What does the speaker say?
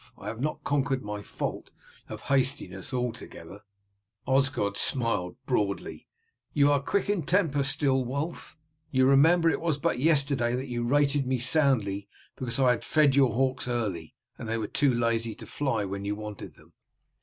I have not conquered my fault of hastiness altogether." Osgod smiled broadly. "You are quick in temper still, Wulf. You remember it was but yesterday that you rated me soundly because I had fed your hawks early, and they were too lazy to fly when you wanted them."